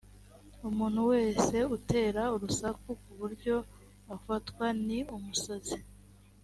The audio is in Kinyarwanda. umuntu wese utera urusaku ku buryo afatwa ni umusazi